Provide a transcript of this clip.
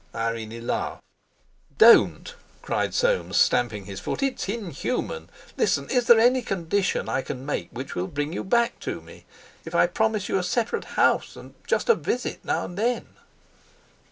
Irene laughed. "Don't!" cried Soames, stamping his foot; "it's inhuman. Listen! Is there any condition I can make which will bring you back to me? If I promise you a separate house—and just a visit now and then?"